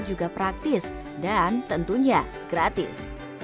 juga praktis dan tentunya gratis